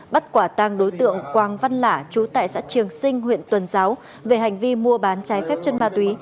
bắt quả tăng đối tượng quang văn lã chú tại xã trường sinh huyện tuần giáo về hành vi mua bán trái phép chân ma túy